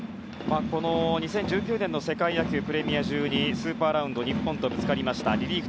２０１９年の世界野球プレミア１２スーパーラウンドで日本とぶつかりました。